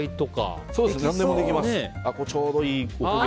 何でもできます。